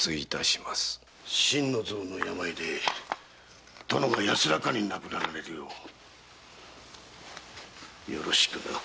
心の臓の病で殿が安らかに亡くなられるようよろしくな。